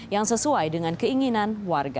yang sesuai dengan keinginan warga